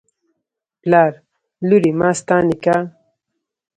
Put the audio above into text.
پلار: لورې ماستا نکاح